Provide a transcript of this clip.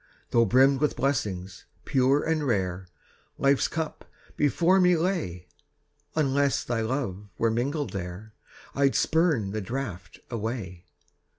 Tho' brimmed with blessings, pure and rare, Life's cup before me lay, Unless thy love were mingled there, I'd spurn the draft away.